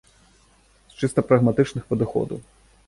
З чыста прагматычных падыходаў.